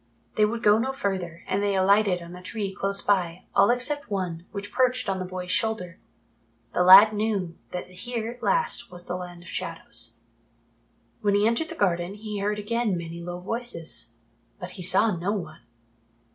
They would go no further and they alighted on a tree close by, all except one, which perched on the boy's shoulder. The lad knew that here at last was the Land of Shadows. When he entered the garden he heard again many low voices. But he saw no one.